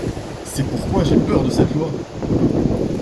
C’est pourquoi j’ai peur de cette loi.